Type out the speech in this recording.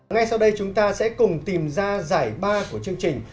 ngay sau đây chúng ta sẽ cùng tìm ra giải ba của chương trình